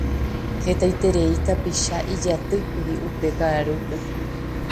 Hetaiterei tapicha ijatýkuri upe kaʼarúpe.